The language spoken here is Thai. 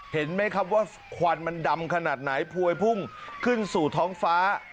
เห็นไหมครับว่าควันมันดำขนาดไหนพวยพุ่งขึ้นสู่ท้องฟ้า